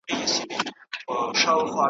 کله دې خوا کله ها خوا په ځغستا سو .